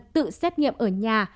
tự xét nghiệm ở nhà